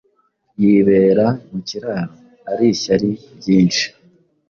Yibera mu kiraro Ari ishyari ryinshi